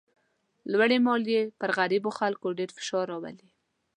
لوړې مالیې پر غریبو خلکو ډېر فشار راولي.